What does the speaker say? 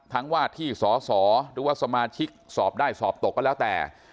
ว่าที่สอสอหรือว่าสมาชิกสอบได้สอบตกก็แล้วแต่